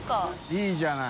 いいじゃない。